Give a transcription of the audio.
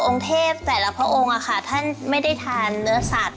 เทพแต่ละพระองค์ท่านไม่ได้ทานเนื้อสัตว